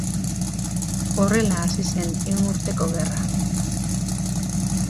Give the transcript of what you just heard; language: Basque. Horrela hasi zen Ehun Urteko Gerra.